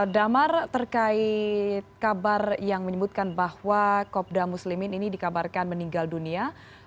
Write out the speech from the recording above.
damar terkait kabar yang menyebutkan bahwa kopda muslimin ini dikabarkan meninggal dunia